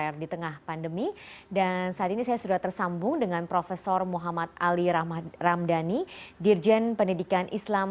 sehat juga ya pak ya